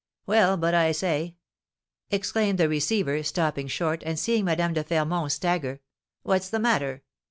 Well, but I say " exclaimed the receiver, stopping short, and seeing Madame de Fermont stagger. "What's the matter?